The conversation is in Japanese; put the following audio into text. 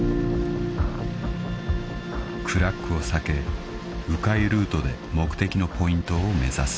［クラックを避け迂回ルートで目的のポイントを目指す］